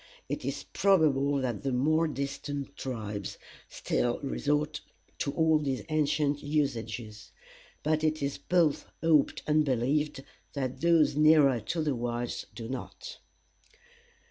It is probable that the more distant tribes still resort to all these ancient usages; but it is both hoped and believed that those nearer to the whites do not.